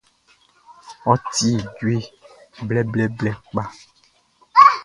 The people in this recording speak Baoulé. Ɔ tie djue blɛblɛblɛ kpa.